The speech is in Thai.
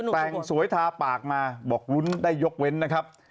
แต่งสวยทาปากมาบอกลุ้นได้ยกเว้นนะครับ